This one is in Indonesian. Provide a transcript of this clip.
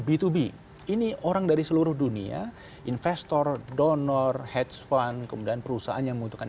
b dua b ini orang dari seluruh dunia investor donor heads fund kemudian perusahaan yang membutuhkan